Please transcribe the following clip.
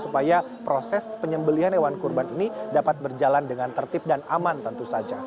supaya proses penyembelian hewan kurban ini dapat berjalan dengan tertib dan aman tentu saja